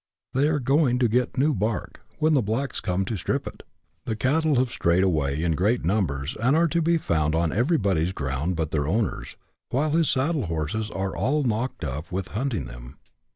" They are ' going ' to get new bark — when tlie blacks come to strip it." The cattle have strayed away in great num bers, and are to be found on everybody's ground but their owner's, while his saddle horses are all knocked up with hunting them.